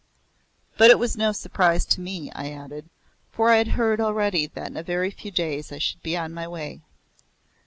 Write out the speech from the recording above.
"But it was no surprise to me," I added, "for I had heard already that in a very few days I should be on my way."